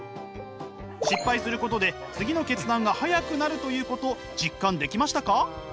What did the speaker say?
失敗することで次の決断が早くなるということ実感できましたか？